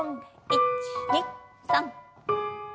１２３。